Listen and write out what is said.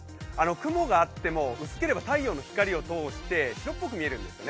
雲があっても薄ければ太陽の光を通して白っぽく見えるんです。